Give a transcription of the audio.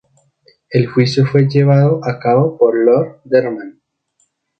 El juicio fue llevado a cabo por Lord Denman.